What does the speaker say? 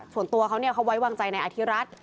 ส่วนตัวเขาเขาไว้วางใจในอธิรัฐ